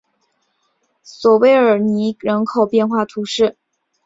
索韦尔尼人口变化图示